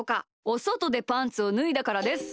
おそとでパンツをぬいだからです。